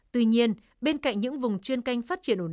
tuy nhiên bên cạnh những vùng chuyên canh phát triển ổn định